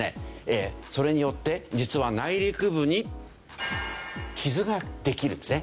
それによって実は内陸部に傷ができるんですね。